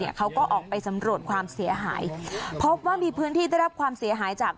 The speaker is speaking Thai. เขาก็ออกไปสำรวจความเสียหายพบว่ามีพื้นที่ได้รับความเสียหายจาก